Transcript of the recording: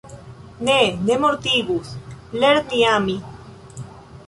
Ne, ne mortigus, lerni ami.